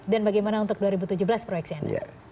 dan bagaimana untuk dua ribu tujuh belas proyeknya